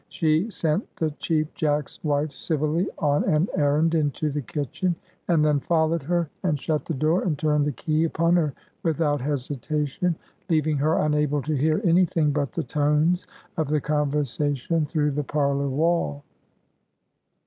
She sent the Cheap Jack's wife civilly on an errand into the kitchen, and then followed her, and shut the door and turned the key upon her without hesitation, leaving her unable to hear any thing but the tones of the conversation through the parlor wall.